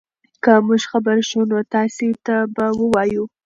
که موږ خبر شو نو تاسي ته به ووایو.